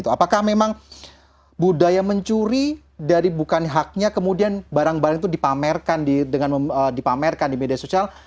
apakah memang budaya mencuri dari bukan haknya kemudian barang barang itu dipamerkan di media sosial